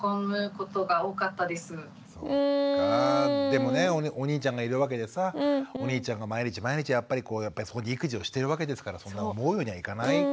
でもねお兄ちゃんがいるわけでさお兄ちゃんが毎日毎日やっぱりこうそこで育児をしているわけですからそんな思うようにはいかない。